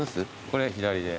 これ左で。